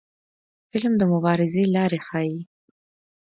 فلم د مبارزې لارې ښيي